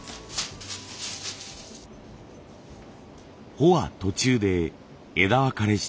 穂は途中で枝分かれしています。